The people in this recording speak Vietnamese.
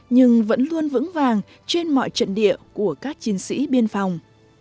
nhưng vẫn luôn vững vàng trên mọi trận địa của các chiến sĩ biên phòng